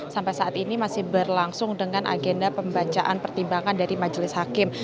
sampai saat ini masih berlangsung dengan agenda pembacaan pertimbangan dari majelis hakim